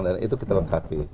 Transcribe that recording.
dan itu kita lengkapi